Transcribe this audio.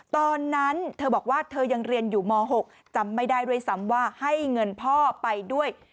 ตอนนั้นเธอบอกว่าเธอยังเรียนอยู่ม๖จำไม่ได้ด้วยซ้ำว่าให้เงินพ่อไปด้วย